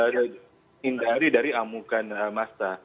dihindari dari amukan masa